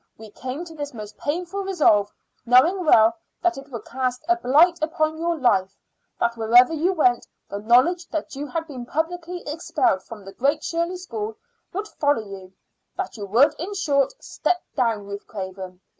We came to this most painful resolve knowing well that it would cast a blight upon your life, that wherever you went the knowledge that you had been publicly expelled from the Great Shirley School would follow you that you would, in short, step down, Ruth Craven.